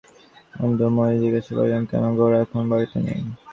আনন্দময়ী জিজ্ঞাসা করিলেন, কেন, গোরা এখন বাড়িতে নেই?